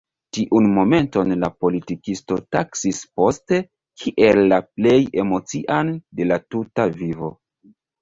Tiun momenton la politikisto taksis poste kiel la plej emocian de la tuta vivo.